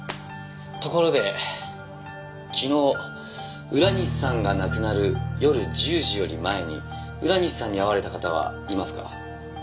ところで昨日浦西さんが亡くなる夜１０時より前に浦西さんに会われた方はいますか？